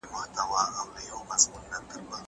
زه اوږده وخت سفر کوم!!